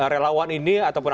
relawan ini ataupun